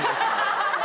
ハハハハ！